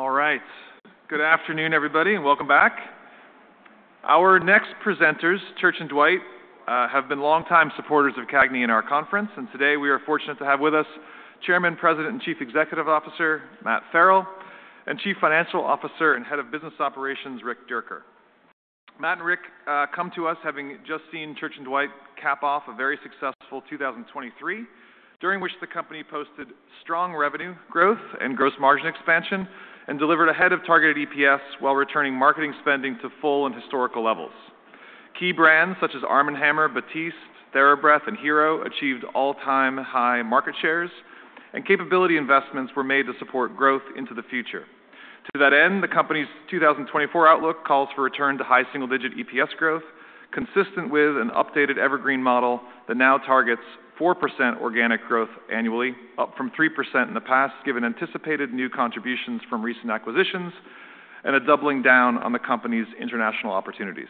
All right. Good afternoon, everybody, and welcome back. Our next presenters, Church & Dwight, have been longtime supporters of CAGNY and our conference, and today we are fortunate to have with us Chairman, President, and Chief Executive Officer, Matt Farrell, and Chief Financial Officer and Head of Business Operations, Rick Dierker. Matt and Rick come to us having just seen Church & Dwight cap off a very successful 2023, during which the company posted strong revenue growth and gross margin expansion and delivered ahead of targeted EPS while returning marketing spending to full and historical levels. Key brands such as ARM & HAMMER, Batiste, TheraBreath, and Hero achieved all-time high market shares, and capability investments were made to support growth into the future. To that end, the company's 2024 outlook calls for a return to high single-digit EPS growth, consistent with an updated Evergreen Model that now targets 4% organic growth annually, up from 3% in the past, given anticipated new contributions from recent acquisitions and a doubling down on the company's international opportunities.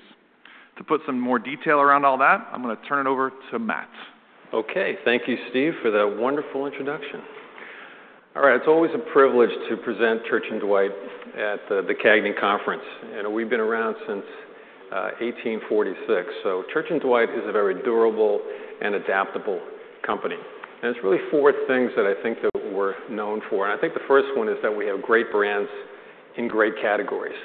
To put some more detail around all that, I'm going to turn it over to Matt. Okay. Thank you, Steve, for that wonderful introduction. All right. It's always a privilege to present Church & Dwight at the CAGNY Conference, and we've been around since 1846. So Church & Dwight is a very durable and adaptable company, and there's really four things that I think that we're known for, and I think the first one is that we have great brands in great categories.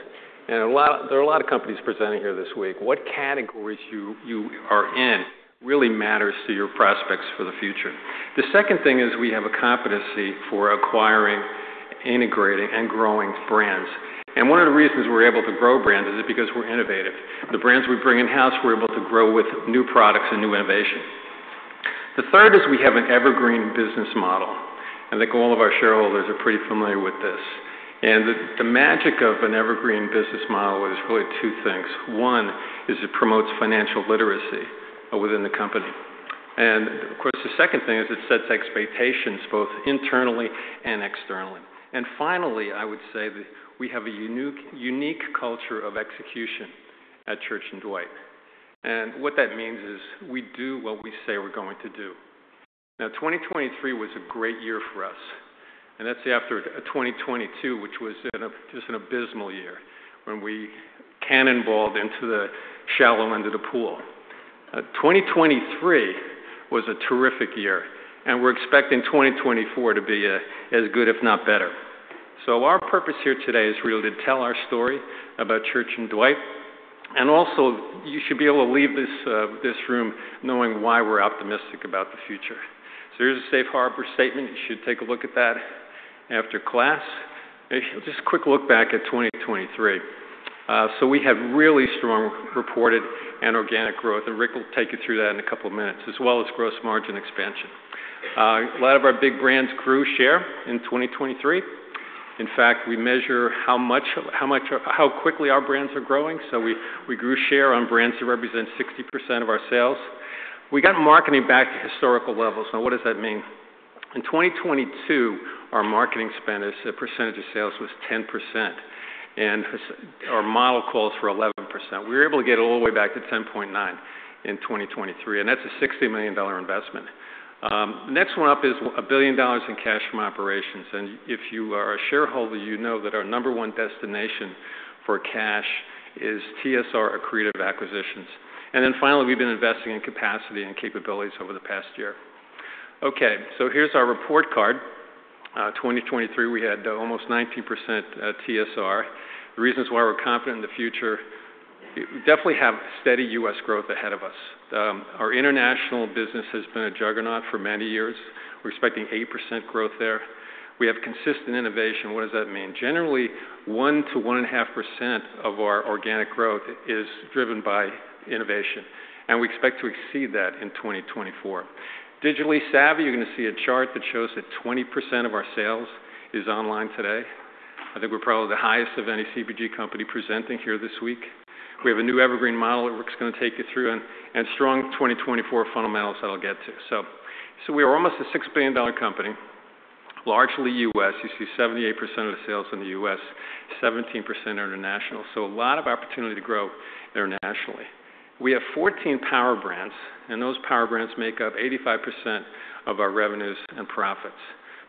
There are a lot of companies presenting here this week. What categories you are in really matters to your prospects for the future. The second thing is we have a competency for acquiring, integrating, and growing brands, and one of the reasons we're able to grow brands is because we're innovative. The brands we bring in-house, we're able to grow with new products and new innovations. The third is we have an Evergreen Business Model, and I think all of our shareholders are pretty familiar with this. And the magic of an Evergreen Business Model is really two things. One is it promotes financial literacy within the company. And of course, the second thing is it sets expectations both internally and externally. And finally, I would say that we have a unique, unique culture of execution at Church & Dwight, and what that means is we do what we say we're going to do. Now, 2023 was a great year for us, and that's after a 2022, which was just an abysmal year when we cannonballed into the shallow end of the pool. 2023 was a terrific year, and we're expecting 2024 to be as good, if not better. So our purpose here today is really to tell our story about Church & Dwight, and also, you should be able to leave this, this room knowing why we're optimistic about the future. So here's a safe harbor statement. You should take a look at that after class. Just a quick look back at 2023. So we have really strong reported and organic growth, and Rick will take you through that in a couple of minutes, as well as gross margin expansion. A lot of our big brands grew share in 2023. In fact, we measure how quickly our brands are growing, so we grew share on brands that represent 60% of our sales. We got marketing back to historical levels. Now, what does that mean? In 2022, our marketing spend as a percentage of sales was 10%, and our model calls for 11%. We were able to get all the way back to 10.9% in 2023, and that's a $60 million investment. Next one up is $1 billion in cash from operations, and if you are a shareholder, you know that our number one destination for cash is TSR accretive acquisitions. And then finally, we've been investing in capacity and capabilities over the past year. Okay, so here's our report card. 2023, we had almost 19% TSR. The reasons why we're confident in the future, we definitely have steady U.S. growth ahead of us. Our international business has been a juggernaut for many years. We're expecting 8% growth there. We have consistent innovation. What does that mean? Generally, 1-1.5% of our organic growth is driven by innovation, and we expect to exceed that in 2024. Digitally savvy, you're going to see a chart that shows that 20% of our sales is online today. I think we're probably the highest of any CPG company presenting here this week. We have a new Evergreen Model that Rick's going to take you through, and, and strong 2024 fundamentals that I'll get to. So, so we are almost a $6 billion company, largely U.S. You see 78% of the sales in the U.S., 17% international, so a lot of opportunity to grow internationally. We have 14 power brands, and those power brands make up 85% of our revenues and profits.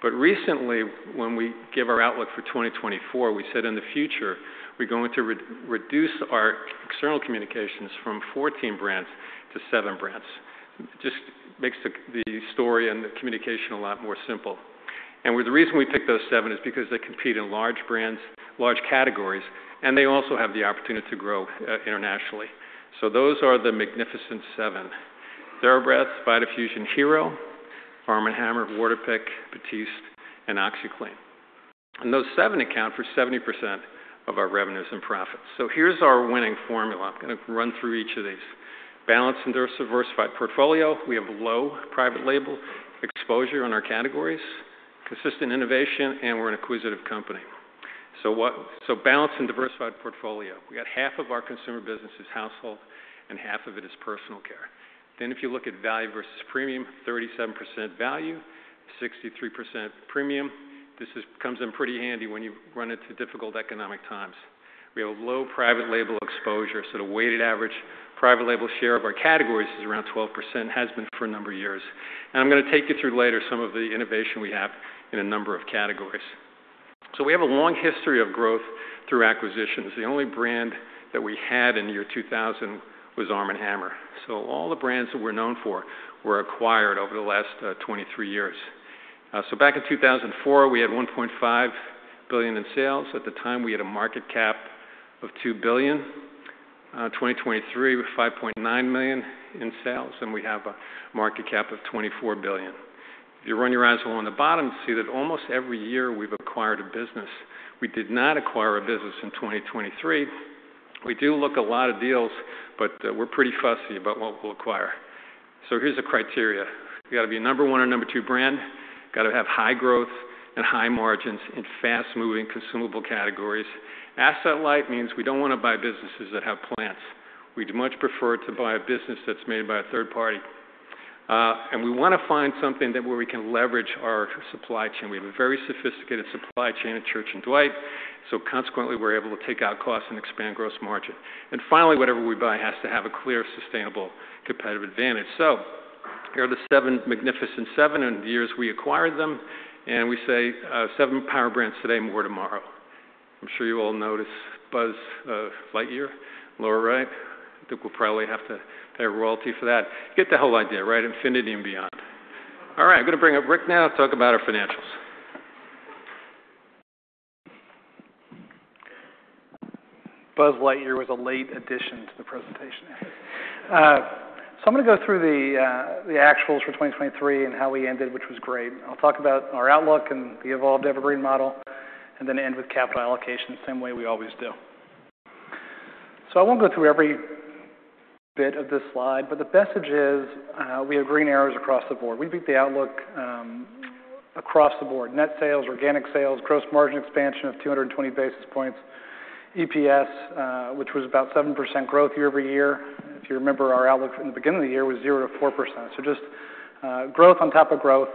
But recently, when we gave our outlook for 2024, we said in the future, we're going to reduce our external communications from 14 brands to seven brands. Just makes the story and the communication a lot more simple. And the reason we picked those seven is because they compete in large brands, large categories, and they also have the opportunity to grow internationally. So those are the Magnificent Seven: TheraBreath, vitaFusion, Hero, ARM & HAMMER, Waterpik, Batiste, and OxiClean. And those seven account for 70% of our revenues and profits. So here's our winning formula. I'm going to run through each of these. Balanced and diversified portfolio. We have low private label exposure in our categories, consistent innovation, and we're an acquisitive company. So balanced and diversified portfolio. We got half of our consumer business is household, and half of it is personal care. Then, if you look at value versus premium, 37% value, 63% premium. This comes in pretty handy when you run into difficult economic times. We have a low private label exposure, so the weighted average private label share of our categories is around 12%, has been for a number of years. And I'm gonna take you through later some of the innovation we have in a number of categories. So we have a long history of growth through acquisitions. The only brand that we had in the year 2000 was ARM & HAMMER. So all the brands that we're known for were acquired over the last 23 years. So back in 2004, we had $1.5 billion in sales. At the time, we had a market cap of $2 billion. 2023, we have $5.9 million in sales, and we have a market cap of $24 billion. If you run your eyes along the bottom, you see that almost every year we've acquired a business. We did not acquire a business in 2023. We do look at a lot of deals, but, we're pretty fussy about what we'll acquire. So here's the criteria: We've got to be number one or number two brand, got to have high growth and high margins in fast-moving consumable categories. Asset light means we don't want to buy businesses that have plants. We'd much prefer to buy a business that's made by a third party. and we wanna find something that where we can leverage our supply chain. We have a very sophisticated supply chain at Church & Dwight, so consequently, we're able to take out costs and expand gross margin. And finally, whatever we buy has to have a clear, sustainable competitive advantage. So here are the seven magnificent seven and the years we acquired them, and we say, "Seven power brands today, more tomorrow." I'm sure you all notice Buzz Lightyear, lower right. I think we'll probably have to pay a royalty for that. Get the whole idea, right, infinity and beyond. All right, I'm gonna bring up Rick now to talk about our financials. Buzz Lightyear was a late addition to the presentation. So I'm gonna go through the actuals for 2023 and how we ended, which was great. I'll talk about our outlook and the evolved Evergreen Model, and then end with capital allocation, the same way we always do. So I won't go through every bit of this slide, but the message is, we have green arrows across the board. We beat the outlook across the board. Net sales, organic sales, gross margin expansion of 220 basis points, EPS, which was about 7% growth year-over-year. If you remember, our outlook from the beginning of the year was 0%-4%. So just growth on top of growth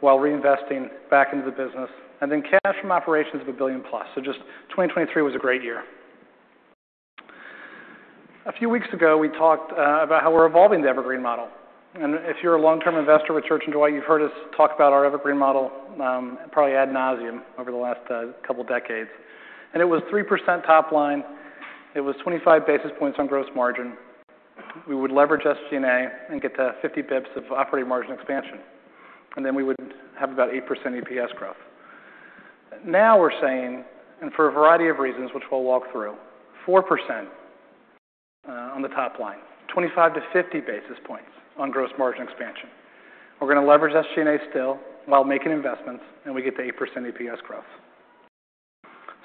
while reinvesting back into the business, and then cash from operations of $1 billion+. So just 2023 was a great year. A few weeks ago, we talked about how we're evolving the Evergreen Model, and if you're a long-term investor with Church & Dwight, you've heard us talk about our Evergreen Model, probably ad nauseam over the last couple of decades. It was 3% top line. It was 25 basis points on gross margin. We would leverage SG&A and get to 50 basis points of operating margin expansion, and then we would have about 8% EPS growth. Now we're saying, and for a variety of reasons, which we'll walk through, 4% on the top line, 25-50 basis points on gross margin expansion. We're gonna leverage SG&A still while making investments, and we get the 8% EPS growth.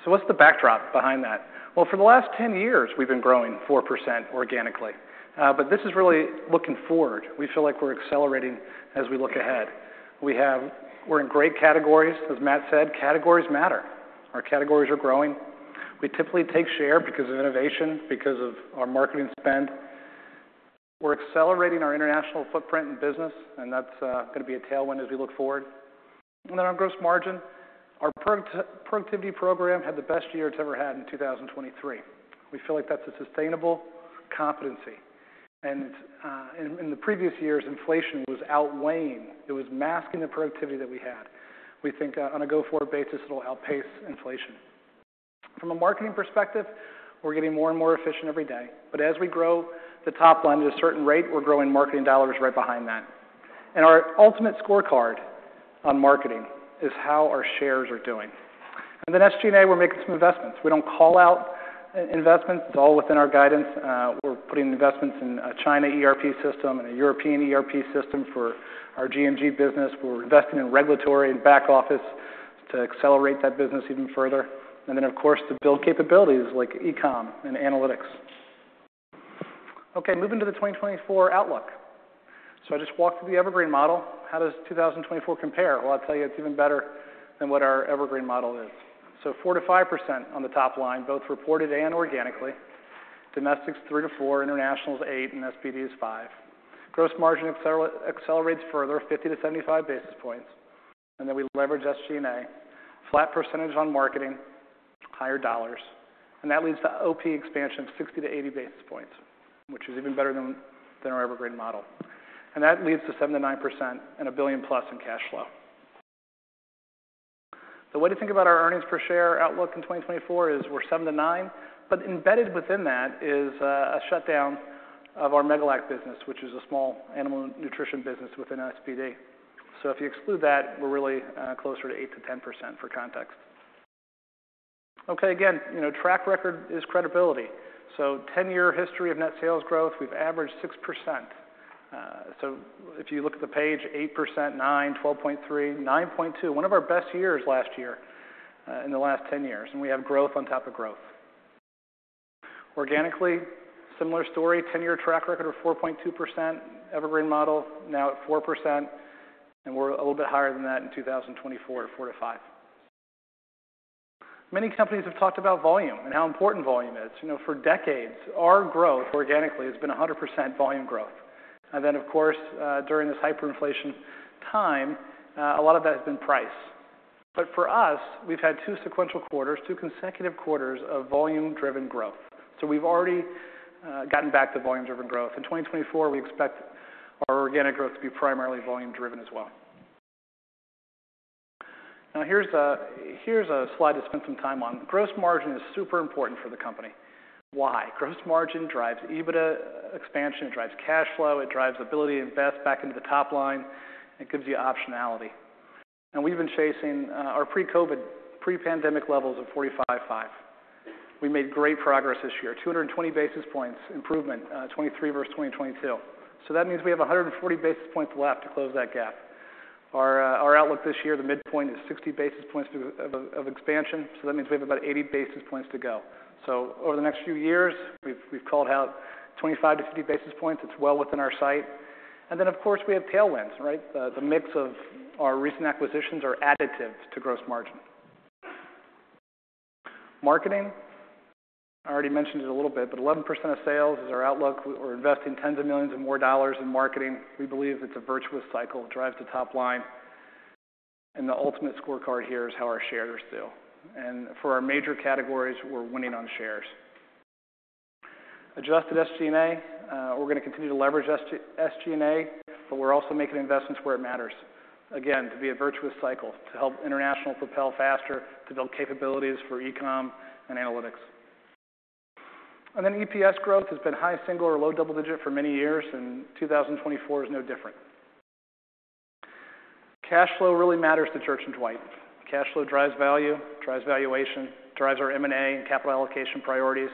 So what's the backdrop behind that? Well, for the last 10 years, we've been growing 4% organically, but this is really looking forward. We feel like we're accelerating as we look ahead. We have. We're in great categories. As Matt said, categories matter. Our categories are growing. We typically take share because of innovation, because of our marketing spend. We're accelerating our international footprint and business, and that's gonna be a tailwind as we look forward. And then on gross margin, our productivity program had the best year it's ever had in 2023. We feel like that's a sustainable competency, and in the previous years, inflation was outweighing. It was masking the productivity that we had. We think on a go-forward basis, it'll outpace inflation. From a marketing perspective, we're getting more and more efficient every day, but as we grow the top line at a certain rate, we're growing marketing dollars right behind that. And our ultimate scorecard on marketing is how our shares are doing. And then SG&A, we're making some investments. We don't call out investments. It's all within our guidance. We're putting investments in a China ERP system and a European ERP system for our GMG business. We're investing in regulatory and back office to accelerate that business even further, and then, of course, to build capabilities like e-com and analytics. Okay, moving to the 2024 outlook. So I just walked through the Evergreen Model. How does 2024 compare? Well, I'll tell you, it's even better than what our Evergreen Model is. So 4%-5% on the top line, both reported and organically. Domestic is 3%-4%, international is 8%, and SPD is 5%. Gross margin accelerates further, 50-75 basis points, and then we leverage SG&A. Flat percentage on marketing, higher dollars, and that leads to OP expansion of 60-80 basis points, which is even better than, than our Evergreen Model. And that leads to 7%-9% and $1 billion+ in cash flow. The way to think about our earnings per share outlook in 2024 is we're 7%-9%, but embedded within that is a shutdown of our Megalac business, which is a small animal nutrition business within SPD. So if you exclude that, we're really closer to 8%-10% for context. Okay, again, you know, track record is credibility. So 10-year history of net sales growth, we've averaged 6%. So if you look at the page, 8%, 9%, 12.3%, 9.2%, one of our best years last year, in the last 10 years, and we have growth on top of growth. Organically, similar story, 10-year track record of 4.2%, Evergreen Model now at 4%, and we're a little bit higher than that in 2024 at 4%-5%. Many companies have talked about volume and how important volume is. You know, for decades, our growth, organically, has been 100% volume growth... And then, of course, during this hyperinflation time, a lot of that has been price. But for us, we've had two sequential quarters, two consecutive quarters of volume-driven growth. So we've already gotten back to volume-driven growth. In 2024, we expect our organic growth to be primarily volume-driven as well. Now, here's a slide to spend some time on. Gross margin is super important for the company. Why? Gross margin drives EBITDA expansion, it drives cash flow, it drives ability to invest back into the top line, and it gives you optionality. And we've been chasing our pre-COVID, pre-pandemic levels of 45.5%. We made great progress this year, 220 basis points improvement, 2023 versus 2022. So that means we have 140 basis points left to close that gap. Our outlook this year, the midpoint is 60 basis points of expansion, so that means we have about 80 basis points to go. So over the next few years, we've called out 25-50 basis points. It's well within our sight. Then, of course, we have tailwinds, right? The mix of our recent acquisitions are additive to gross margin. Marketing, I already mentioned it a little bit, but 11% of sales is our outlook. We're investing tens of millions more dollars in marketing. We believe it's a virtuous cycle, drives the top line, and the ultimate scorecard here is how our shares are still. And for our major categories, we're winning on shares. Adjusted SG&A, we're gonna continue to leverage SG&A, but we're also making investments where it matters, again, to be a virtuous cycle, to help international propel faster, to build capabilities for e-com and analytics. And then EPS growth has been high single or low double digit for many years, and 2024 is no different. Cash flow really matters to Church & Dwight. Cash flow drives value, drives valuation, drives our M&A and capital allocation priorities.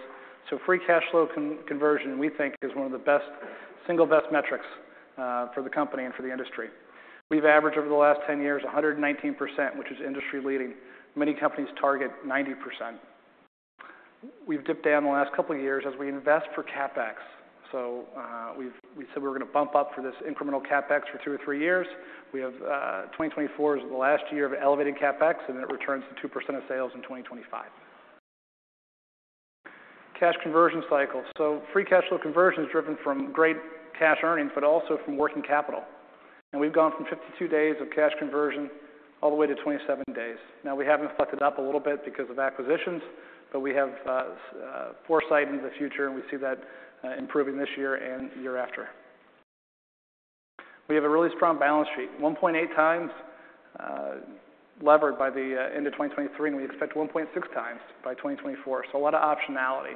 So free cash flow conversion, we think, is one of the single best metrics for the company and for the industry. We've averaged, over the last 10 years, 119%, which is industry-leading. Many companies target 90%. We've dipped down the last couple of years as we invest for CapEx. So, we said we're gonna bump up for this incremental CapEx for two or three years. We have, 2024 is the last year of elevated CapEx, and then it returns to 2% of sales in 2025. Cash conversion cycle. So free cash flow conversion is driven from great cash earnings, but also from working capital. And we've gone from 52 days of cash conversion all the way to 27 days. Now, we have inflected up a little bit because of acquisitions, but we have foresight into the future, and we see that improving this year and year after. We have a really strong balance sheet, 1.8x levered by the end of 2023, and we expect 1.6x by 2024, so a lot of optionality.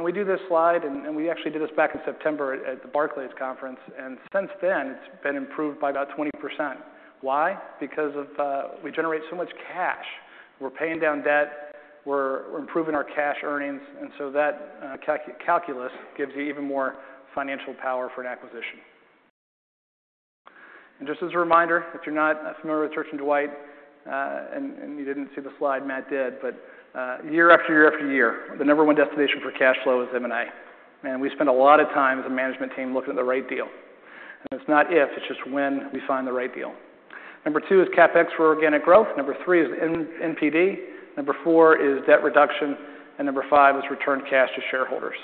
We do this slide, and we actually did this back in September at the Barclays conference, and since then, it's been improved by about 20%. Why? Because of we generate so much cash. We're paying down debt, we're improving our cash earnings, and so that calculus gives you even more financial power for an acquisition. Just as a reminder, if you're not familiar with Church & Dwight, and you didn't see the slide Matt did, but year after year after year, the number one destination for cash flow is M&A. And we spend a lot of time as a management team looking at the right deal. And it's not if, it's just when we find the right deal. Number two is CapEx for organic growth. Number three is NPD. Number four is debt reduction, and number five is return cash to shareholders.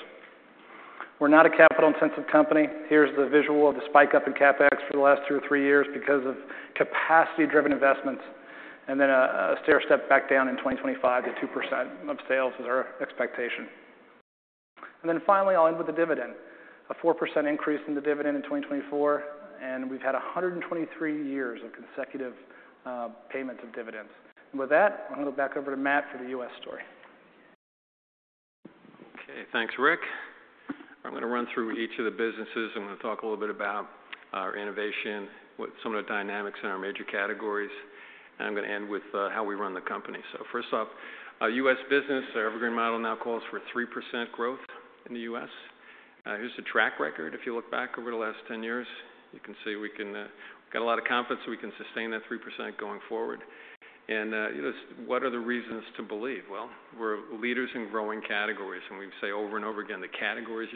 We're not a capital-intensive company. Here's the visual of the spike up in CapEx for the last two or three years because of capacity-driven investments, and then a stairstep back down in 2025 to 2% of sales is our expectation. And then finally, I'll end with the dividend. A 4% increase in the dividend in 2024, and we've had 123 years of consecutive payment of dividends. And with that, I'm gonna go back over to Matt for the U.S. story. Okay, thanks, Rick. I'm gonna run through each of the businesses. I'm gonna talk a little bit about our innovation, what some of the dynamics in our major categories, and I'm gonna end with how we run the company. So first off, our U.S. business, our Evergreen Model now calls for 3% growth in the U.S. Here's the track record. If you look back over the last 10 years, you can see we can got a lot of confidence we can sustain that 3% going forward. And just what are the reasons to believe? Well, we're leaders in growing categories, and we say over and over again, the categories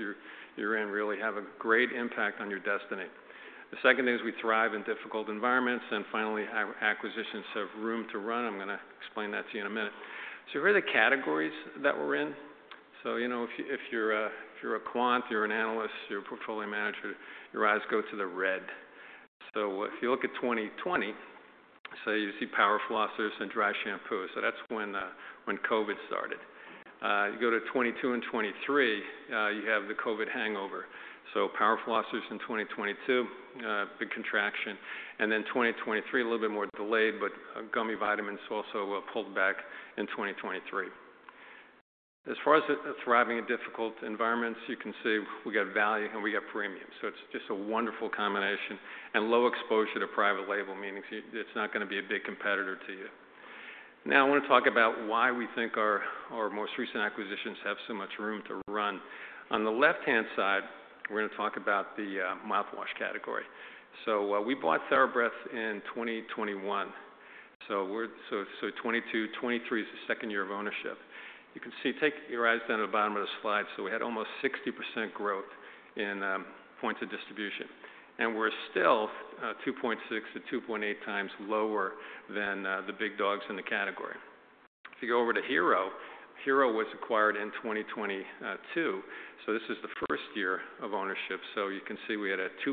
you're in really have a great impact on your destiny. The second thing is we thrive in difficult environments, and finally, our acquisitions have room to run. I'm gonna explain that to you in a minute. So here are the categories that we're in. So, you know, if you're a quant, you're an analyst, you're a portfolio manager, your eyes go to the red. So if you look at 2020, so you see power flossers and dry shampoo. So that's when COVID started. You go to 2022 and 2023, you have the COVID hangover. So power flossers in 2022, big contraction, and then 2023, a little bit more delayed, but gummy vitamins also pulled back in 2023. As far as thriving in difficult environments, you can see we got value and we got premium. So it's just a wonderful combination and low exposure to private label, meaning it's not gonna be a big competitor to you. Now, I wanna talk about why we think our most recent acquisitions have so much room to run. On the left-hand side, we're gonna talk about the mouthwash category. So, we bought TheraBreath in 2021, so we're so 2022, 2023 is the second year of ownership. You can see, take your eyes down to the bottom of the slide, so we had almost 60% growth in points of distribution, and we're still 2.6-2.8 times lower than the big dogs in the category. If you go over to Hero, Hero was acquired in 2022, so this is the first year of ownership. So you can see we had a 200%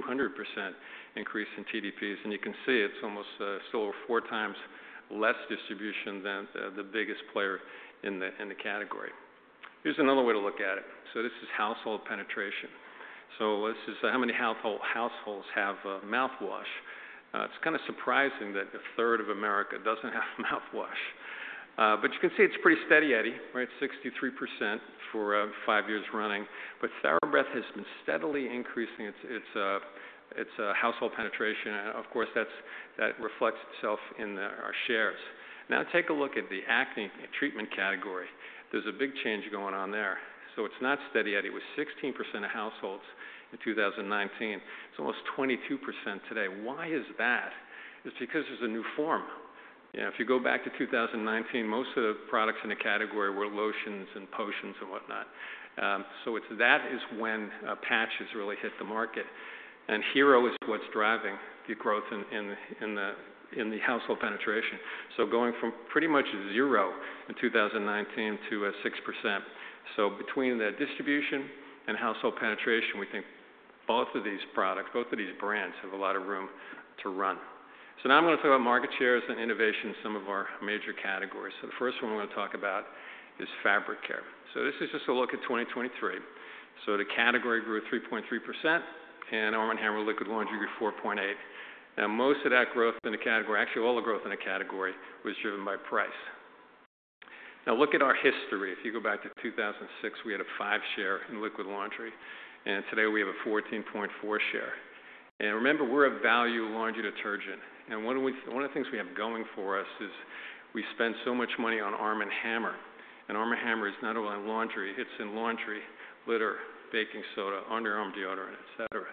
increase in TDPs, and you can see it's almost still over four times less distribution than the biggest player in the category. Here's another way to look at it. So this is household penetration. So this is how many households have mouthwash. It's kind of surprising that a third of America doesn't have mouthwash. But you can see it's pretty steady eddy, right? 63% for five years running. But TheraBreath has been steadily increasing its household penetration, and of course, that reflects itself in our shares. Now, take a look at the acne treatment category. There's a big change going on there, so it's not steady eddy. It was 16% of households in 2019. It's almost 22% today. Why is that? It's because there's a new form. You know, if you go back to 2019, most of the products in the category were lotions and potions and whatnot. That is when patches really hit the market, and Hero is what's driving the growth in the household penetration. So going from pretty much zero in 2019 to 6%. So between the distribution and household penetration, we think both of these products, both of these brands, have a lot of room to run. So now I'm going to talk about market shares and innovation in some of our major categories. So the first one I'm going to talk about is fabric care. So this is just a look at 2023. So the category grew 3.3%, and ARM & HAMMER liquid laundry grew 4.8%. Now, most of that growth in the category, actually, all the growth in the category, was driven by price. Now, look at our history. If you go back to 2006, we had a 5 share in liquid laundry, and today we have a 14.4 share. And remember, we're a value laundry detergent, and one of the things we have going for us is we spend so much money on ARM & HAMMER, and ARM & HAMMER is not only in laundry, it's in litter, baking soda, ARM & HAMMER deodorant, et cetera.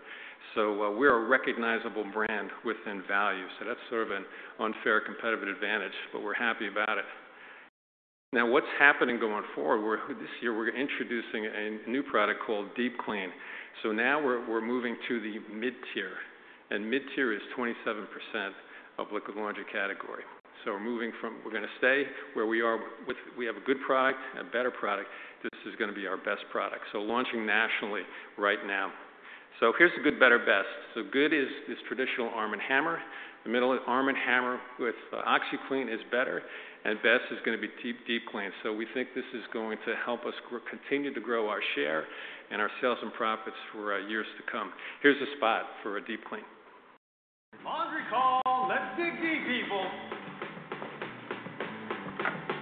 So, we're a recognizable brand within value, so that's sort of an unfair competitive advantage, but we're happy about it. Now, what's happening going forward, this year we're introducing a new product called Deep Clean. So now we're moving to the mid-tier, and mid-tier is 27% of liquid laundry category. So we're moving from. We're going to stay where we are with. We have a good product, a better product. This is going to be our best product, so launching nationally right now. So here's the good, better, best. So good is traditional ARM & HAMMER. The middle, ARM & HAMMER with OxiClean, is better, and best is going to be Deep Clean. So we think this is going to help us continue to grow our share and our sales and profits for years to come. Here's a spot for Deep Clean. Laundry call! Let's dig deep, people.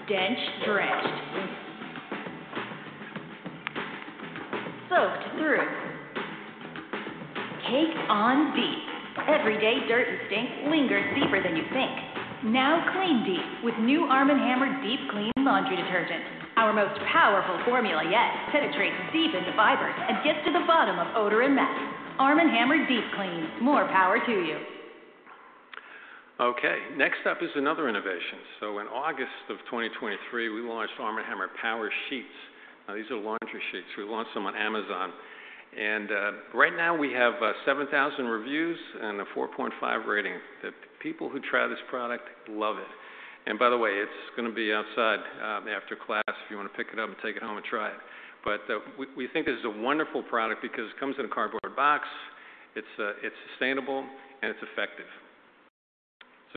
Drenched, drenched. Soaked through. Take on deep. Everyday dirt and stink lingers deeper than you think. Now clean deep with new ARM & HAMMER Deep Clean Laundry Detergent. Our most powerful formula yet penetrates deep in the fibers and gets to the bottom of odor and mess. ARM & HAMMER Deep Clean, more power to you. Okay, next up is another innovation. So in August of 2023, we launched ARM & HAMMER Power Sheets. Now, these are laundry sheets. We launched them on Amazon, and right now, we have 7,000 reviews and a 4.5 rating. The people who try this product love it, and by the way, it's going to be outside after class if you want to pick it up and take it home and try it. But we think this is a wonderful product because it comes in a cardboard box, it's sustainable, and it's effective.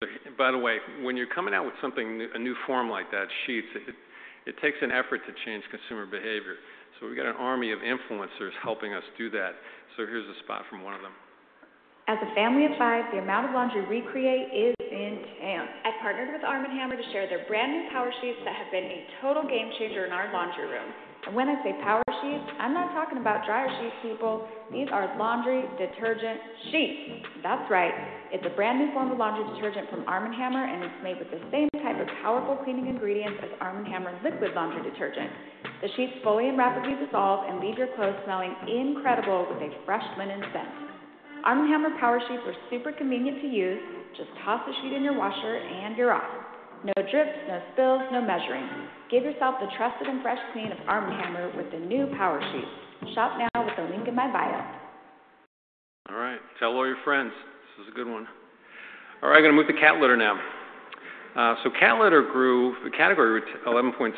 So by the way, when you're coming out with something new, a new form like that, sheets, it takes an effort to change consumer behavior. So we've got an army of influencers helping us do that. So here's a spot from one of them. As a family of five, the amount of laundry we create is intense. I partnered with ARM & HAMMER to share their brand-new Power Sheets that have been a total game changer in our laundry room. And when I say Power Sheets, I'm not talking about dryer sheets, people. These are laundry detergent sheets. That's right. It's a brand-new form of laundry detergent from ARM & HAMMER, and it's made with the same type of powerful cleaning ingredients as ARM & HAMMER liquid laundry detergent. The sheets fully and rapidly dissolve and leave your clothes smelling incredible with a fresh linen scent. ARM & HAMMER Power Sheets are super convenient to use. Just toss a sheet in your washer, and you're off. No drips, no spills, no measuring. Give yourself the trusted and fresh clean of ARM & HAMMER with the new Power Sheets. Shop now with the link in my bio. All right, tell all your friends. This is a good one. All right, I'm gonna move to cat litter now. So cat litter grew—the category grew to 11.7%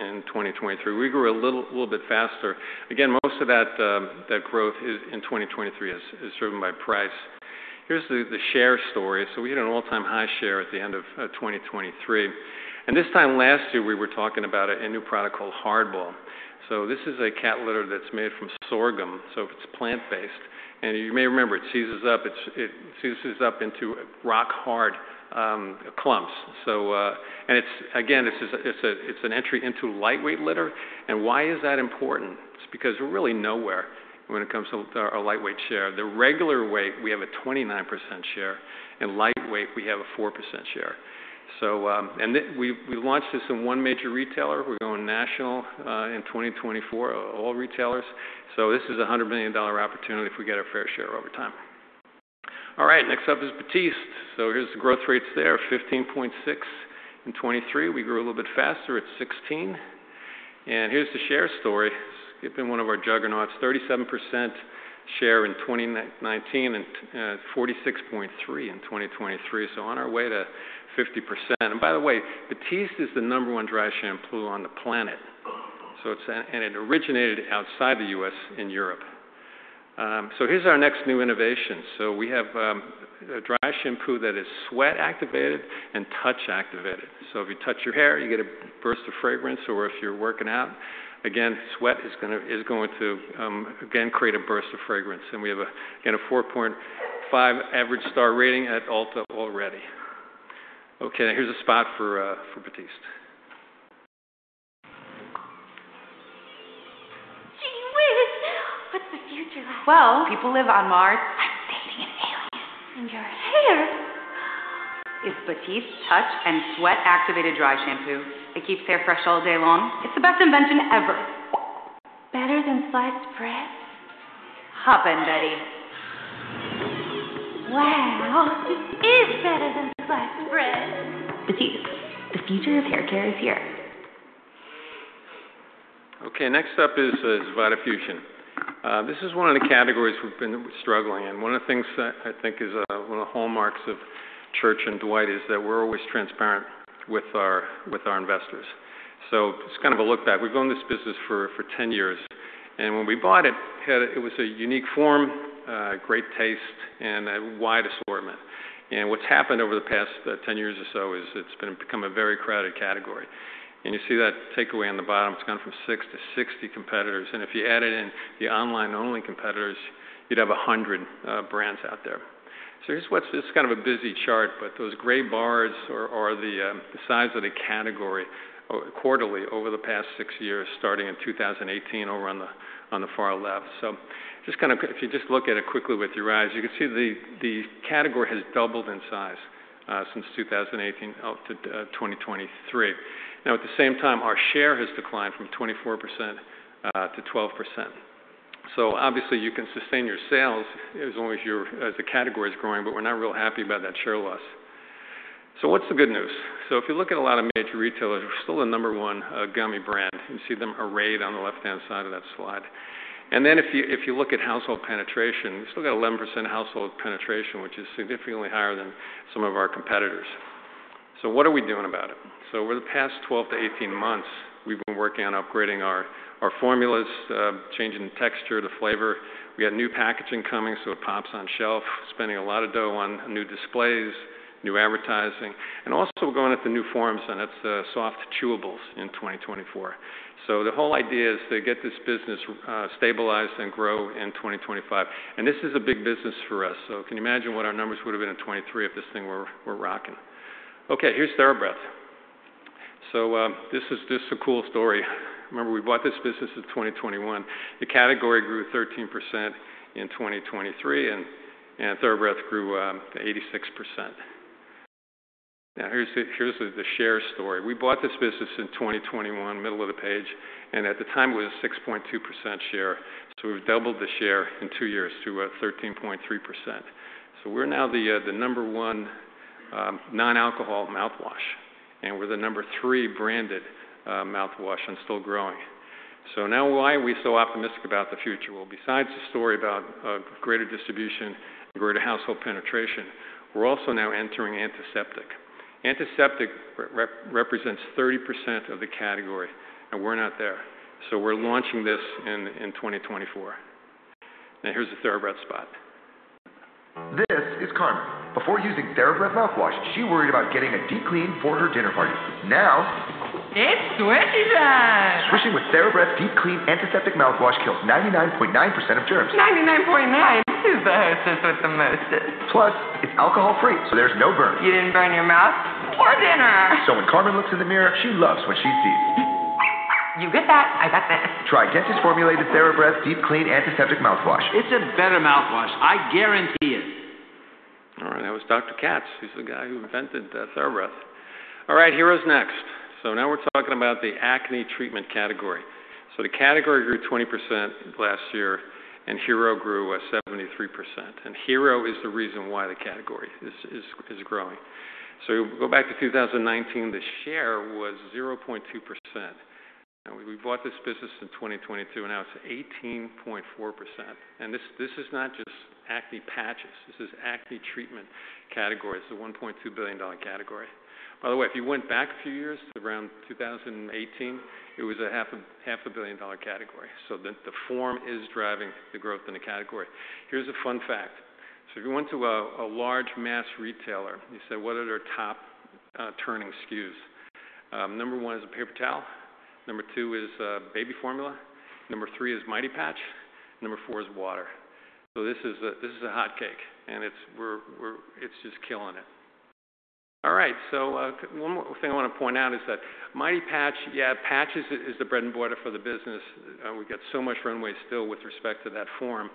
in 2023. We grew a little, little bit faster. Again, most of that, that growth is, in 2023 is, is driven by price. Here's the, the share story. So we hit an all-time high share at the end of, 2023, and this time last year, we were talking about a, a new product called Hardball. So this is a cat litter that's made from sorghum, so it's plant-based, and you may remember it seizes up. It's, it seizes up into rock-hard, clumps. So, and it's, again, this is a, it's a, it's an entry into lightweight litter. And why is that important? It's because we're really nowhere when it comes to our, our lightweight share. The regular weight, we have a 29% share, and lightweight, we have a 4% share. So, and then we, we launched this in one major retailer. We're going national, in 2024, all retailers. So this is a $100 million opportunity if we get our fair share over time. All right, next up is Batiste. So here's the growth rates there, 15.6% in 2023. We grew a little bit faster at 16%. And here's the share story. It's been one of our juggernauts, 37% share in 2019, and, 46.3% in 2023. So on our way to 50%. And by the way, Batiste is the number one dry shampoo on the planet. So it's. And it originated outside the U.S., in Europe. So here's our next new innovation. So we have a dry shampoo that is sweat-activated and touch-activated. So if you touch your hair, you get a burst of fragrance, or if you're working out, again, sweat is going to create a burst of fragrance. And we have a 4.5 average star rating at Ulta already. Okay, here's a spot for Batiste. Gee whiz! What's the future like? Well, people live on Mars. I'm dating an alien. And your hair is Batiste Touch and Sweat Activated Dry Shampoo. It keeps hair fresh all day long. It's the best invention ever. Better than sliced bread? Hop in, Betty. Wow, it is better than sliced bread! Batiste, the future of hair care is here. Okay, next up is Vitafusion. This is one of the categories we've been struggling in. One of the things that I think is one of the hallmarks of Church & Dwight is that we're always transparent with our investors. So just kind of a look back. We've owned this business for 10 years, and when we bought it, it had a it was a unique form, great taste, and a wide assortment. And what's happened over the past 10 years or so is it's been become a very crowded category, and you see that takeaway on the bottom, it's gone from six to 60 competitors, and if you added in the online-only competitors, you'd have 100 brands out there. So here's what's... It's kind of a busy chart, but those gray bars are the size of the category quarterly over the past six years, starting in 2018 over on the far left. So just kind of—if you just look at it quickly with your eyes, you can see the category has doubled in size since 2018 up to 2023. Now, at the same time, our share has declined from 24% to 12%. So obviously, you can sustain your sales as long as the category is growing, but we're not real happy about that share loss. So what's the good news? So if you look at a lot of major retailers, we're still the number one gummy brand. You can see them arrayed on the left-hand side of that slide. And then, if you, if you look at household penetration, we still got 11% household penetration, which is significantly higher than some of our competitors. So what are we doing about it? So over the past 12months-18 months, we've been working on upgrading our formulas, changing the texture, the flavor. We got new packaging coming, so it pops on shelf, spending a lot of dough on new displays, new advertising, and also we're going after new forms, and that's the soft chewables in 2024. So the whole idea is to get this business stabilized and grow in 2025. And this is a big business for us, so can you imagine what our numbers would've been in 2023 if this thing were rocking? Okay, here's TheraBreath. So, this is just a cool story. Remember we bought this business in 2021. The category grew 13% in 2023, and TheraBreath grew 86%. Now, here's the share story. We bought this business in 2021, middle of the page, and at the time it was a 6.2% share. So we've doubled the share in two years to 13.3%. So we're now the number one non-alcohol mouthwash, and we're the number three branded mouthwash and still growing. So now why are we so optimistic about the future? Well, besides the story about greater distribution and greater household penetration, we're also now entering antiseptic. Antiseptic represents 30% of the category, and we're not there. So we're launching this in 2024. Now, here's the TheraBreath spot. This is Carmen. Before using TheraBreath mouthwash, she worried about getting a deep clean for her dinner party. Now... It's swishy time! Swishing with TheraBreath Deep Clean Antiseptic Mouthwash kills 99.9% of germs. 99.9? You're the hostess with the mostest. Plus, it's alcohol-free, so there's no burn. You didn't burn your mouth or dinner. When Carmen looks in the mirror, she loves what she sees. You get that. I got this. Try dentist-formulated TheraBreath Deep Clean Antiseptic Mouthwash. It's a better mouthwash. I guarantee it. All right, that was Dr. Katz. He's the guy who invented the TheraBreath. All right, Hero's next. So now we're talking about the acne treatment category. So the category grew 20% last year, and Hero grew at 73%. And Hero is the reason why the category is growing. So go back to 2019, the share was 0.2%. Now, we bought this business in 2022, and now it's 18.4%. And this is not just acne patches; this is acne treatment category. It's a $1.2 billion category. By the way, if you went back a few years, around 2018, it was a half a billion dollar category. So the form is driving the growth in the category. Here's a fun fact: So if you went to a large mass retailer, and you say, "What are their top turning SKUs?" Number one is a paper towel, number two is baby formula, number three is Mighty Patch, number four is water. So this is a hot cake, and it's just killing it. All right, so one more thing I want to point out is that Mighty Patch, yeah, patches is the bread and butter for the business. We've got so much runway still with respect to that form,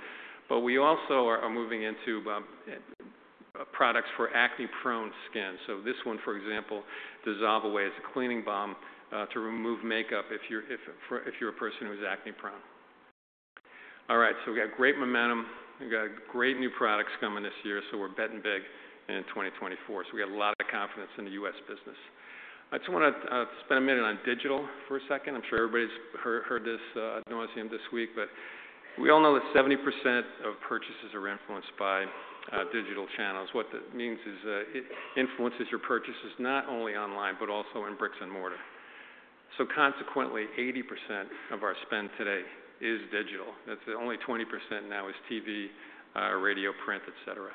but we also are moving into products for acne-prone skin. So this one, for example, Dissolve Away. It's a cleaning balm to remove makeup if you're a person who is acne-prone. All right, so we got great momentum. We've got great new products coming this year, so we're betting big in 2024. So we got a lot of confidence in the U.S. business. I just want to spend a minute on digital for a second. I'm sure everybody's heard this ad nauseam this week, but we all know that 70% of purchases are influenced by digital channels. What that means is, it influences your purchases not only online, but also in bricks and mortar. So consequently, 80% of our spend today is digital. That's the only 20% now is TV, radio, print, et cetera.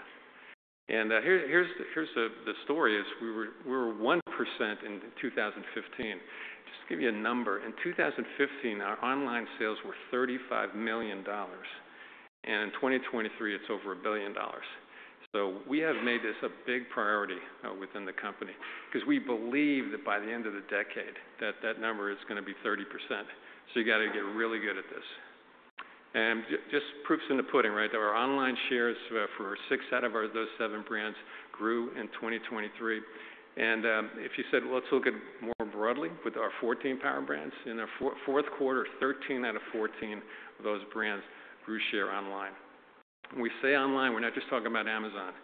And here's the story is, we were 1% in 2015. Just to give you a number, in 2015, our online sales were $35 million, and in 2023, it's over $1 billion. So we have made this a big priority within the company, because we believe that by the end of the decade, that number is going to be 30%. So you got to get really good at this. And just proof's in the pudding, right? There are online shares for six out of those seven brands grew in 2023. If you said, "Let's look at more broadly with our 14 power brands," in the fourth quarter, 13 out of 14 of those brands grew share online. When we say online, we're not just talking about Amazon.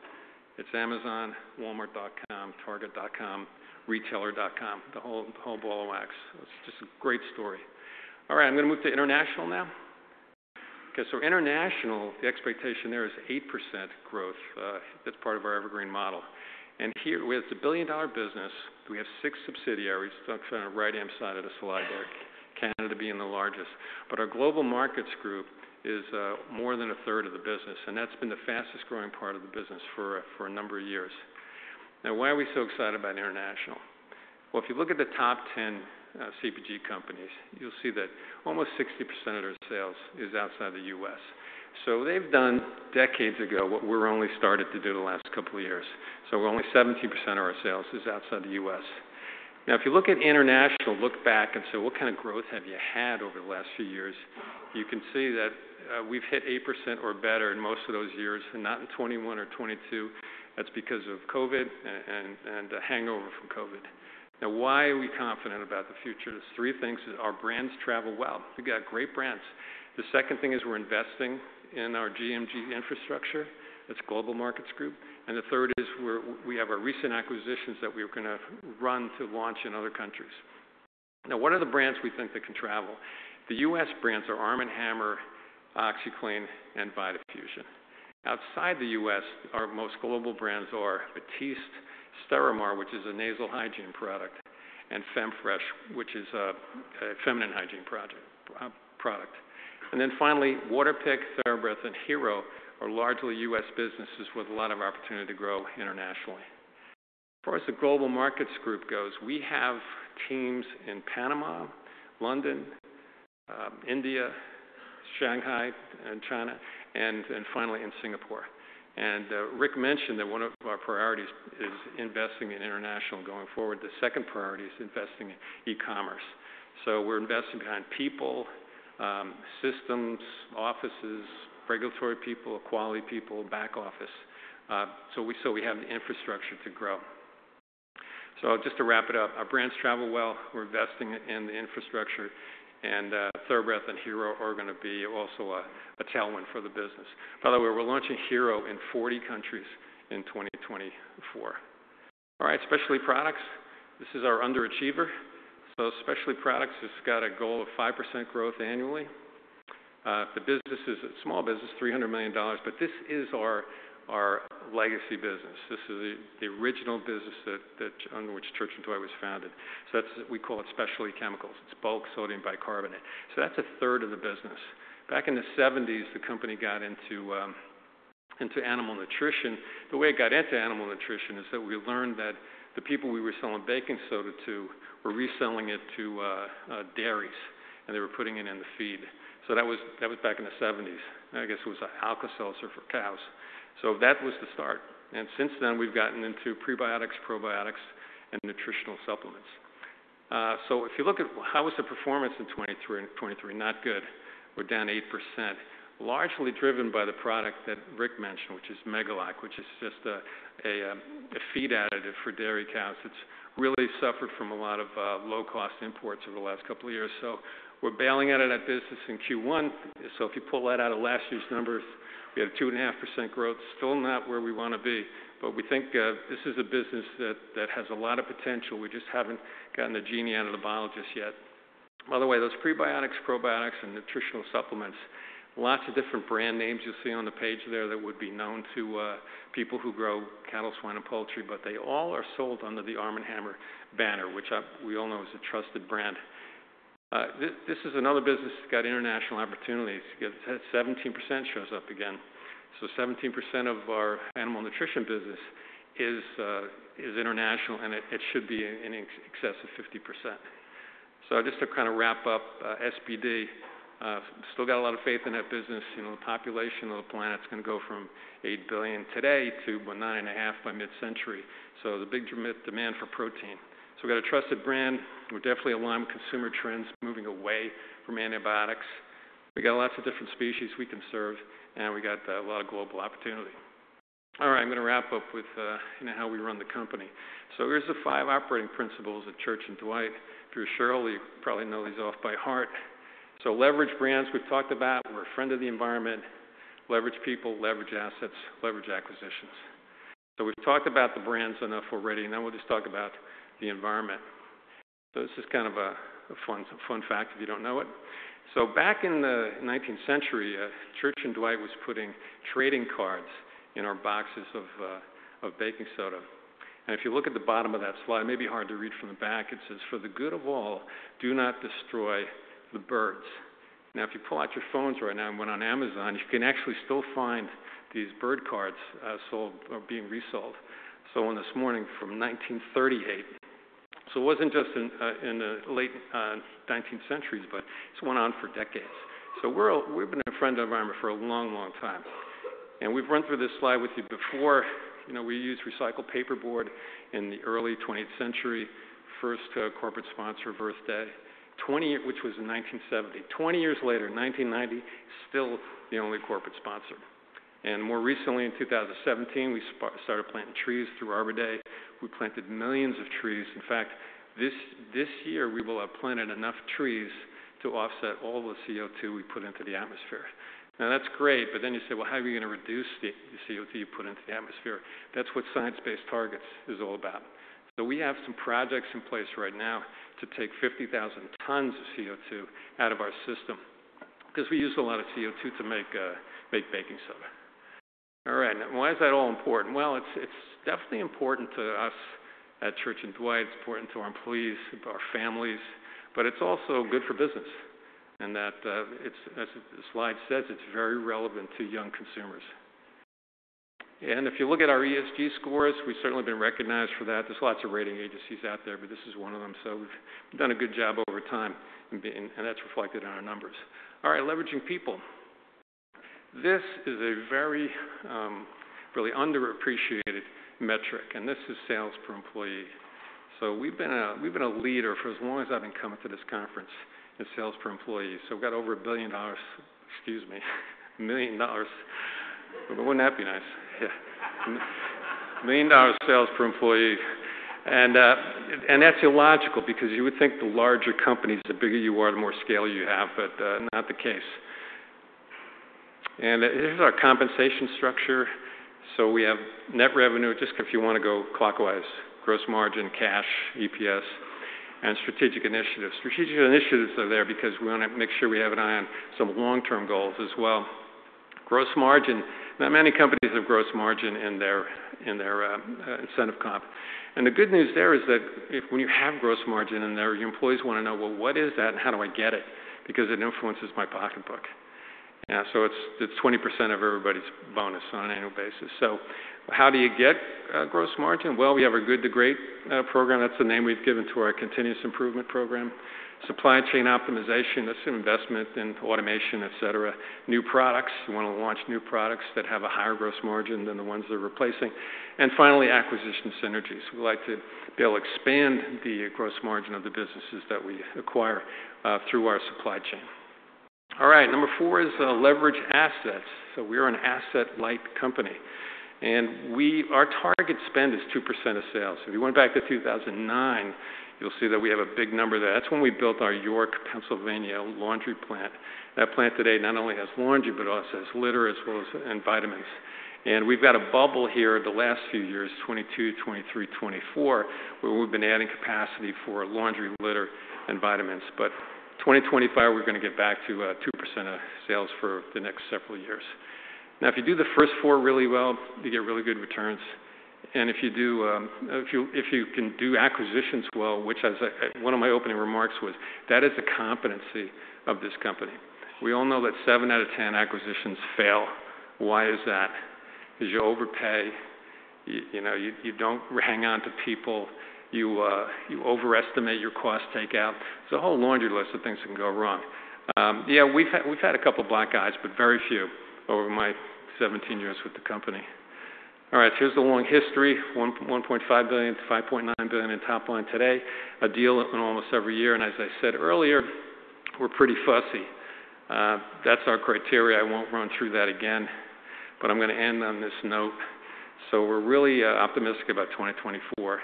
It's Amazon, walmart.com, Target.com, retailer.com, the whole, the whole ball of wax. It's just a great story. All right, I'm going to move to international now. Okay, so international, the expectation there is 8% growth. That's part of our Evergreen Model. And here, with the billion-dollar business, we have six subsidiaries. Look on the right-hand side of the slide there, Canada being the largest. But our Global Markets Group is more than a third of the business, and that's been the fastest growing part of the business for a number of years. Now, why are we so excited about international? Well, if you look at the top 10 CPG companies, you'll see that almost 60% of their sales is outside the U.S. So they've done decades ago what we're only started to do the last couple of years. So only 17% of our sales is outside the U.S. Now, if you look at international, look back and say, "What kind of growth have you had over the last few years?" You can see that, we've hit 8% or better in most of those years, and not in 2021 or 2022. That's because of COVID and a hangover from COVID. Now, why are we confident about the future? There's three things. Our brands travel well. We got great brands. The second thing is we're investing in our GMG infrastructure. That's Global Markets Group. And the third is we have our recent acquisitions that we're going to run to launch in other countries. Now, what are the brands we think that can travel? The U.S. brands are ARM & HAMMER, OxiClean, and vitafusion. Outside the U.S., our most global brands are Batiste, Stérimar, which is a nasal hygiene product, and Femfresh, which is a feminine hygiene product. Then finally, Waterpik, TheraBreath, and Hero are largely U.S. businesses with a lot of opportunity to grow internationally. As far as the Global Markets Group goes, we have teams in Panama, London, India, Shanghai, and China, and then finally in Singapore. Rick mentioned that one of our priorities is investing in international going forward. The second priority is investing in e-commerce. So we're investing behind people, systems, offices, regulatory people, quality people, back office, so we have the infrastructure to grow. So just to wrap it up, our brands travel well. We're investing in the infrastructure, and TheraBreath and Hero are going to be also a tailwind for the business. By the way, we're launching Hero in 40 countries in 2024. All right, Specialty Products. This is our underachiever. So Specialty Products has got a goal of 5% growth annually. The business is a small business, $300 million, but this is our legacy business. This is the original business that under which Church & Dwight was founded. So that's, we call it Specialty Chemicals. It's bulk sodium bicarbonate. So that's a third of the business. Back in the 1970s, the company got into animal nutrition. The way it got into animal nutrition is that we learned that the people we were selling baking soda to were reselling it to dairies, and they were putting it in the feed. So that was, that was back in the 1970s. I guess it was an Alka-Seltzer for cows. So that was the start, and since then, we've gotten into prebiotics, probiotics, and nutritional supplements. So if you look at how was the performance in 2023, not good. We're down 8%, largely driven by the product that Rick mentioned, which is MEGALAC, which is just a, a, a feed additive for dairy cows. It's really suffered from a lot of low-cost imports over the last couple of years, so we're bailing out of that business in Q1. So if you pull that out of last year's numbers, we had a 2.5% growth. Still not where we want to be, but we think this is a business that, that has a lot of potential. We just haven't gotten the genie out of the bottle just yet. By the way, those prebiotics, probiotics, and nutritional supplements, lots of different brand names you'll see on the page there that would be known to people who grow cattle, swine, and poultry, but they all are sold under the ARM & HAMMER banner, which we all know is a trusted brand. This is another business that's got international opportunities. You get 17% shows up again. So 17% of our animal nutrition business is international, and it should be in excess of 50%. So just to kind of wrap up, SPD still got a lot of faith in that business. You know, the population of the planet is going to go from 8 billion today to 9.5 by mid-century. So there's a big demand for protein. So we've got a trusted brand. We're definitely aligned with consumer trends, moving away from antibiotics. We got lots of different species we can serve, and we got a lot of global opportunity. All right, I'm gonna wrap up with, you know, how we run the company. So here's the five operating principles at Church & Dwight. If you're a shareholder, you probably know these off by heart. So leverage brands, we've talked about. We're a friend of the environment. Leverage people, leverage assets, leverage acquisitions. So we've talked about the brands enough already, now we'll just talk about the environment. So this is kind of a fun fact, if you don't know it. So back in the nineteenth century, Church & Dwight was putting trading cards in our boxes of baking soda. If you look at the bottom of that slide, it may be hard to read from the back, it says, "For the good of all, do not destroy the birds." Now, if you pull out your phones right now and went on Amazon, you can actually still find these bird cards sold or being resold. Sold on this morning from 1938. So it wasn't just in the late nineteenth centuries, but this went on for decades. So we've been a friend of the environment for a long, long time. And we've run through this slide with you before. You know, we used recycled paperboard in the early twentieth century. First corporate sponsor of Earth Day, which was in 1970. Twenty years later, in 1990, still the only corporate sponsor. And more recently, in 2017, we started planting trees through Arbor Day. We planted millions of trees. In fact, this year, we will have planted enough trees to offset all the CO2 we put into the atmosphere. Now, that's great, but then you say, "Well, how are you gonna reduce the CO2 you put into the atmosphere?" That's what science-based targets is all about. So we have some projects in place right now to take 50,000 tons of CO2 out of our system, 'cause we use a lot of CO2 to make baking soda. All right, why is that all important? Well, it's definitely important to us at Church & Dwight. It's important to our employees, our families, but it's also good for business, and it's, as the slide says, very relevant to young consumers. If you look at our ESG scores, we've certainly been recognized for that. There's lots of rating agencies out there, but this is one of them. So we've done a good job over time, and that's reflected in our numbers. All right, leveraging people. This is a very, really underappreciated metric, and this is sales per employee. So we've been a leader for as long as I've been coming to this conference in sales per employee. So we've got over $1 billion, excuse me, $1 million. But wouldn't that be nice? Yeah. $1 million in sales per employee. And that's illogical, because you would think the larger companies, the bigger you are, the more scale you have, but not the case. And this is our compensation structure. So we have net revenue, just if you wanna go clockwise, gross margin, cash, EPS, and strategic initiatives. Strategic initiatives are there because we wanna make sure we have an eye on some long-term goals as well. Gross margin. Not many companies have gross margin in their, in their, incentive comp. And the good news there is that if when you have gross margin in there, your employees wanna know, "Well, what is that, and how do I get it? Because it influences my pocketbook." So it's, it's 20% of everybody's bonus on an annual basis. So how do you get, gross margin? Well, we have our Good to Great, program. That's the name we've given to our continuous improvement program. Supply chain optimization, that's an investment in automation, et cetera. New products. We wanna launch new products that have a higher gross margin than the ones they're replacing. And finally, acquisition synergies. We like to be able to expand the gross margin of the businesses that we acquire through our supply chain. All right, number four is leverage assets. So we are an asset-light company, and we. Our target spend is 2% of sales. If you went back to 2009, you'll see that we have a big number there. That's when we built our York, Pennsylvania, laundry plant. That plant today not only has laundry, but also has litter as well as, and vitamins. And we've got a bubble here the last few years, 2022, 2023, 2024, where we've been adding capacity for laundry, litter, and vitamins. But 2025, we're gonna get back to 2% of sales for the next several years. Now, if you do the first four really well, you get really good returns. And if you can do acquisitions well, which as I—one of my opening remarks was, that is a competency of this company. We all know that seven out of 10 acquisitions fail. Why is that? Because you overpay. You know, you don't hang on to people. You overestimate your cost takeout. There's a whole laundry list of things that can go wrong. Yeah, we've had a couple of black eyes, but very few over my 17 years with the company. All right, here's the long history, $1.5 billion-$5.9 billion in top line today. A deal in almost every year, and as I said earlier, we're pretty fussy. That's our criteria. I won't run through that again, but I'm gonna end on this note. So we're really optimistic about 2024.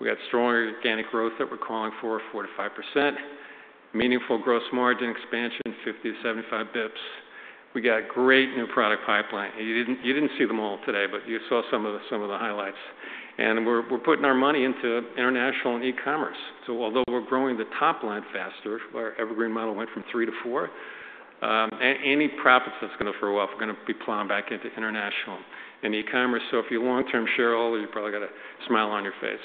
We got stronger organic growth that we're calling for, 4%-5%. Meaningful gross margin expansion, 50-75 basis points. We got a great new product pipeline. You didn't, you didn't see them all today, but you saw some of the, some of the highlights. And we're, we're putting our money into international and e-commerce. So although we're growing the top line faster, our Evergreen Model went from 3%-4%, any profits that's gonna throw off, we're gonna be plowing back into international and e-commerce. So if you're a long-term shareholder, you probably got a smile on your face.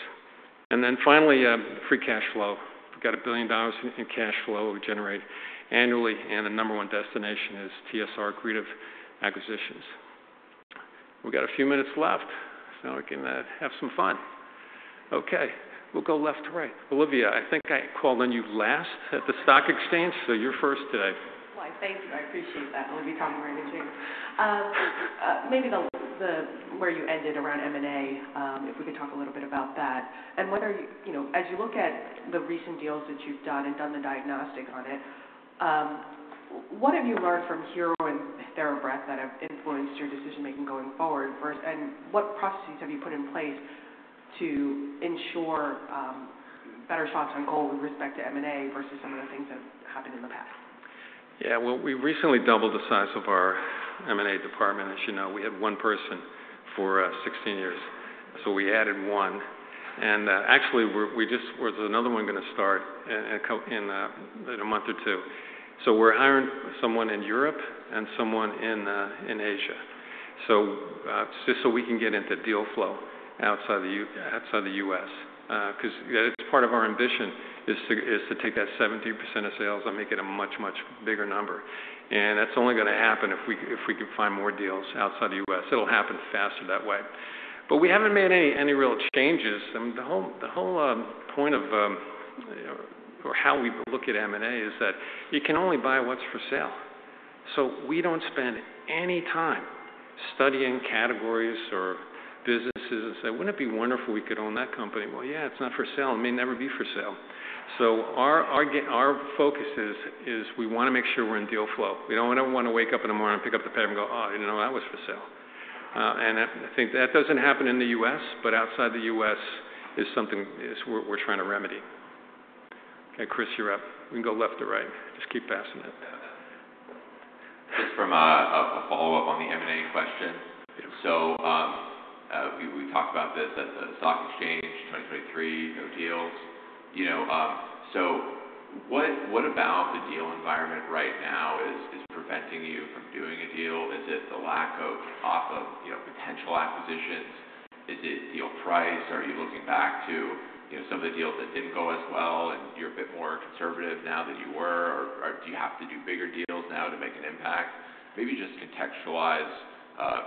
And then finally, free cash flow. We've got $1 billion in cash flow we generate annually, and the number one destination is TSR accretive acquisitions. We've got a few minutes left, so we can have some fun. Okay, we'll go left to right. Olivia, I think I called on you last at the stock exchange, so you're first today. Why, thank you. I appreciate that, Olivia Tong, I do too. Maybe where you ended around M&A, if we could talk a little bit about that. And what are, you know, as you look at the recent deals that you've done and done the diagnostic on it. ... What have you learned from Hero and TheraBreath that have influenced your decision-making going forward? First, and what processes have you put in place to ensure better shots on goal with respect to M&A versus some of the things that have happened in the past? Yeah, well, we recently doubled the size of our M&A department. As you know, we had one person for 16 years, so we added one. And actually, there's another one gonna start in a month or two. So we're hiring someone in Europe and someone in Asia, so just so we can get into deal flow outside the U.S. 'Cause, you know, it's part of our ambition, is to take that 70% of sales and make it a much, much bigger number, and that's only gonna happen if we can find more deals outside the U.S. It'll happen faster that way. But we haven't made any real changes. I mean, the whole point of, or how we look at M&A is that you can only buy what's for sale. So we don't spend any time studying categories or businesses and say, "Wouldn't it be wonderful if we could own that company?" Well, yeah, it's not for sale. It may never be for sale. So our focus is we wanna make sure we're in deal flow. We don't wanna wake up in the morning, and pick up the pad, and go, "Oh, I didn't know that was for sale." And I think that doesn't happen in the U.S., but outside the U.S., it's something we're trying to remedy. Okay, Chris, you're up. We can go left to right. Just keep passing it down. Just from a follow-up on the M&A question. So, we talked about this at the stock exchange, 2023, no deals. You know, so what about the deal environment right now is preventing you from doing a deal? Is it the lack of, you know, potential acquisitions? Is it deal price? Are you looking back to, you know, some of the deals that didn't go as well, and you're a bit more conservative now than you were? Or do you have to do bigger deals now to make an impact? Maybe just contextualize,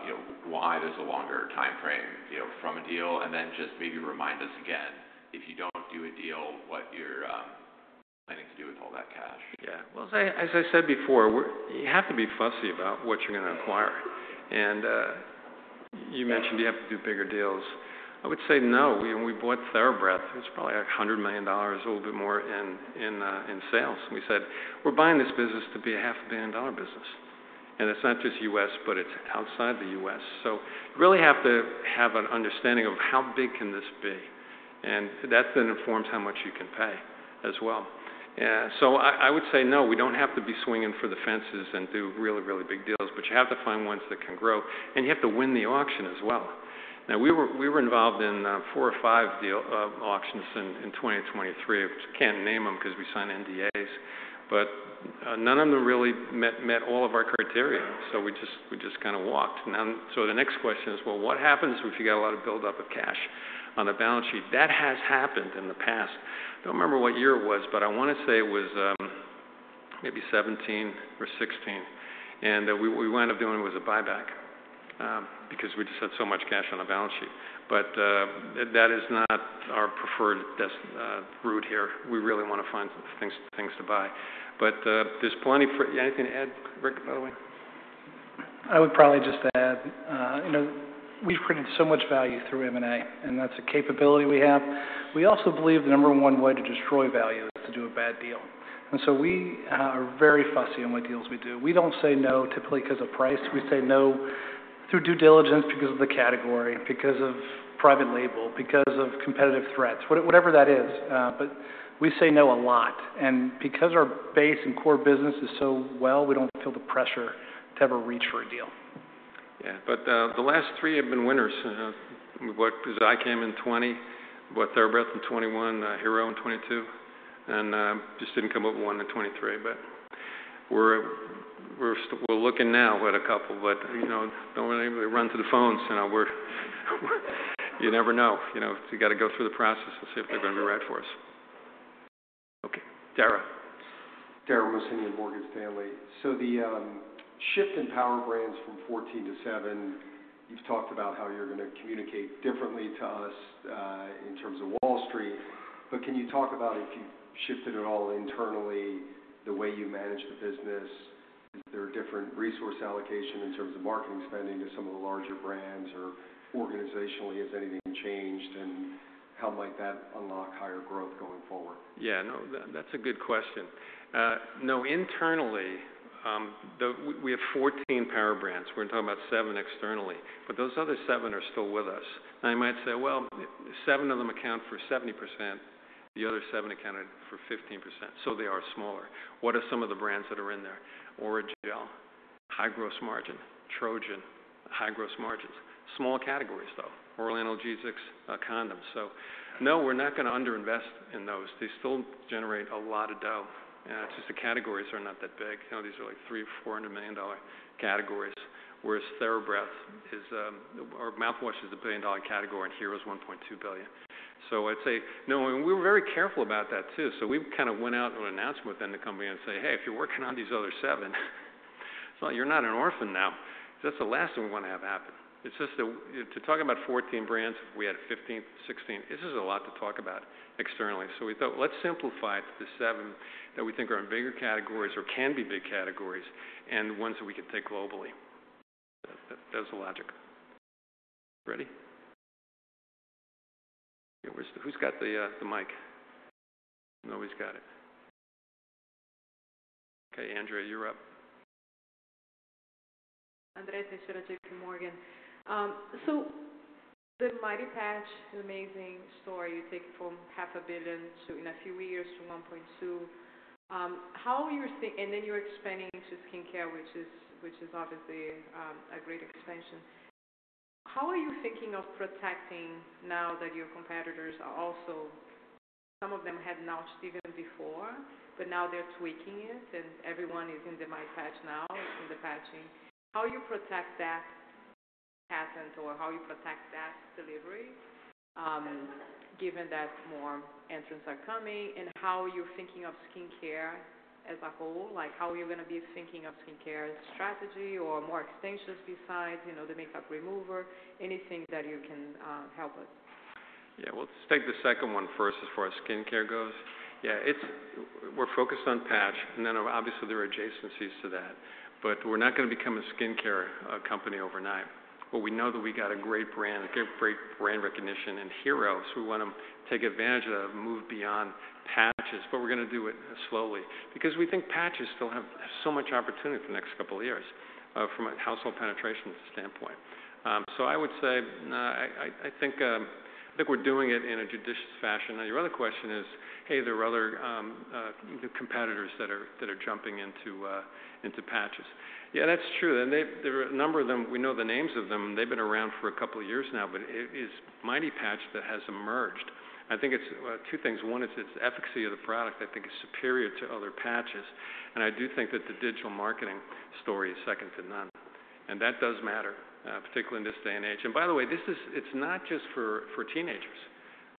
you know, why there's a longer timeframe, you know, from a deal, and then just maybe remind us again, if you don't do a deal, what you're planning to do with all that cash. Yeah. Well, as I said before, we're you have to be fussy about what you're gonna acquire. And you mentioned you have to do bigger deals. I would say no. When we bought TheraBreath, it was probably, like, $100 million, a little bit more in sales. And we said, "We're buying this business to be a $500 million business," and it's not just U.S., but it's outside the U.S. So you really have to have an understanding of how big can this be, and that then informs how much you can pay as well. So I would say, no, we don't have to be swinging for the fences and do really, really big deals, but you have to find ones that can grow, and you have to win the auction as well. Now, we were involved in four or five deal auctions in 2023. I just can't name them 'cause we signed NDAs, but none of them really met all of our criteria, so we just kind of walked. Now, so the next question is: Well, what happens if you get a lot of buildup of cash on the balance sheet? That has happened in the past. I don't remember what year it was, but I wanna say it was maybe 2017 or 2016, and what we wound up doing was a buyback because we just had so much cash on the balance sheet. But that is not our preferred route here. We really wanna find things to buy. But there's plenty for... Anything to add, Rick, by the way? I would probably just add, you know, we've created so much value through M&A, and that's a capability we have. We also believe the number one way to destroy value is to do a bad deal, and so we are very fussy in what deals we do. We don't say no typically 'cause of price. We say no through due diligence, because of the category, because of private label, because of competitive threats, whatever that is. But we say no a lot, and because our base and core business is so well, we don't feel the pressure to ever reach for a deal. Yeah, but the last three have been winners. 'Cause I came in 2020, bought TheraBreath in 2021, Hero in 2022, and just didn't come up with one in 2023. But we're looking now at a couple, but you know, don't want anybody to run to the phones. You know, you never know. You know, you gotta go through the process and see if they're gonna be right for us. Okay, Dara. Dara Mohsenian, Morgan Stanley. So the shift in Power Brands from 14 to seven, you've talked about how you're gonna communicate differently to us, in terms of Wall Street. But can you talk about if you've shifted at all internally, the way you manage the business? Is there a different resource allocation in terms of marketing spending to some of the larger brands? Or organizationally, has anything changed, and how might that unlock higher growth going forward? Yeah, no, that, that's a good question. No, internally, we have 14 power brands. We're talking about 7 externally, but those other 7 are still with us. Now, you might say, "Well, 7 of them account for 70%, the other 7 accounted for 15%, so they are smaller." What are some of the brands that are in there? Orajel, high gross margin. Trojan, high gross margins. Small categories, though, oral analgesics, condoms. So no, we're not gonna underinvest in those. They still generate a lot of dough. It's just the categories are not that big. You know, these are, like, $300 million or $400 million categories, whereas TheraBreath is, or mouthwash is a $1 billion category, and Hero is $1.2 billion. So I'd say, no, and we're very careful about that, too. So we've kind of went out with an announcement within the company and say, "Hey, if you're working on these other seven, well, you're not an orphan now." That's the last thing we wanna have happen. It's just that, you know, to talk about 14 brands, we had 15, 16, this is a lot to talk about externally. So we thought, "Let's simplify it to seven that we think are in bigger categories or can be big categories and ones that we could take globally." That, that's the logic. Ready?... So who's got the, the mic? Nobody's got it. Okay, Andrea, you're up. Andrea Teixeira, J.P. Morgan. So the Mighty Patch, amazing story. You take it from $500 million to, in a few years, to $1.2 billion. How you're thinking—And then you're expanding into skincare, which is, which is obviously, a great expansion. How are you thinking of protecting now that your competitors are also, some of them had launched even before, but now they're tweaking it, and everyone is in the eye patch now, in the patching. How you protect that patent or how you protect that delivery, given that more entrants are coming, and how you're thinking of skincare as a whole? Like, how you're gonna be thinking of skincare as a strategy or more extensions besides, you know, the makeup remover? Anything that you can help us. Yeah. Well, let's take the second one first, as far as skincare goes. Yeah, it's—we're focused on patch, and then obviously there are adjacencies to that, but we're not gonna become a skincare company overnight. But we know that we got a great brand, a great brand recognition in Hero, so we want to take advantage of that and move beyond patches, but we're gonna do it slowly. Because we think patches still have so much opportunity for the next couple of years from a household penetration standpoint. So I would say, I think we're doing it in a judicious fashion. Now, your other question is, hey, there are other competitors that are jumping into patches. Yeah, that's true, and there are a number of them, we know the names of them, they've been around for a couple of years now, but it is Mighty Patch that has emerged. I think it's two things: One is its efficacy of the product, I think, is superior to other patches, and I do think that the digital marketing story is second to none, and that does matter, particularly in this day and age. And by the way, this is, it's not just for teenagers.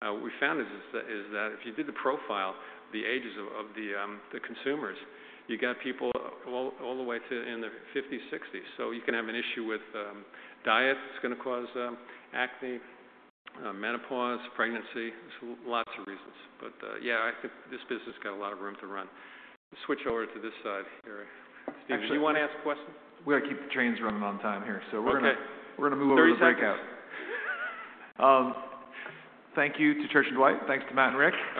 What we found is that if you did the profile, the ages of the consumers, you got people all the way to in their fifties, sixties. So you can have an issue with diet that's gonna cause acne, menopause, pregnancy, so lots of reasons. But, yeah, I think this business has got a lot of room to run. Switch over to this side here. Actually- Do you want to ask a question? We gotta keep the trains running on time here. Okay. So we're gonna- Thirty seconds. We're gonna move on to the breakout. Thank you to Church & Dwight. Thanks to Matt and Rick. All right.